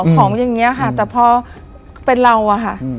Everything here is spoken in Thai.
ของอย่างนี้ค่ะแต่พอเป็นเราอะค่ะ